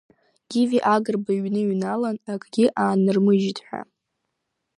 Гиви Агрба иҩны иҩналан, акгьы аанырмыжьит ҳәа.